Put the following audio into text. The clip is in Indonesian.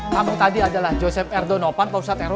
kamu tadi adalah joseph erdogan